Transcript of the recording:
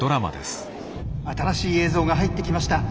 新しい映像が入ってきました。